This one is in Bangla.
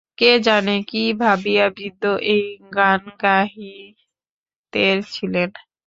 কে জানে কি ভাবিয়া বৃদ্ধ এই গান গাহিতে ছিলেন।